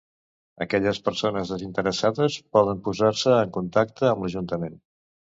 Aquelles persones desinteressades poden posar-se en contacte amb l'Ajuntament.